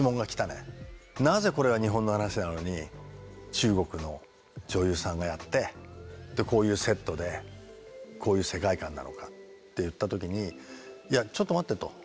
なぜこれは日本の話なのに中国の女優さんがやってこういうセットでこういう世界観なのかっていった時にいやちょっと待ってと。